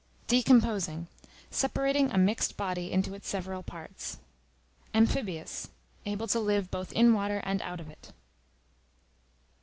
Decomposing, separating a mixed body into its several parts. Amphibious, able to live both in water and out of it.